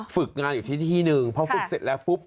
ฝึกงานอยู่ที่ที่หนึ่งพอฝึกเสร็จแล้วปุ๊บ